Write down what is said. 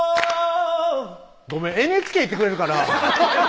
ごめんＮＨＫ行ってくれるかな？